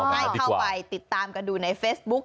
ให้เข้าไปติดตามกันดูในเฟซบุ๊ค